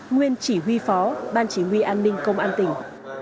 nguyên chỉ huy phó ban chỉ huy an ninh công an tỉnh